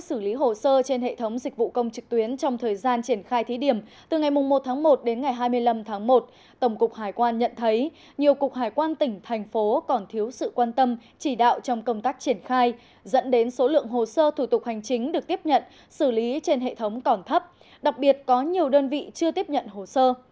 xử lý hồ sơ trên hệ thống dịch vụ công trực tuyến trong thời gian triển khai thí điểm từ ngày một tháng một đến ngày hai mươi năm tháng một tổng cục hải quan nhận thấy nhiều cục hải quan tỉnh thành phố còn thiếu sự quan tâm chỉ đạo trong công tác triển khai dẫn đến số lượng hồ sơ thủ tục hành chính được tiếp nhận xử lý trên hệ thống còn thấp đặc biệt có nhiều đơn vị chưa tiếp nhận hồ sơ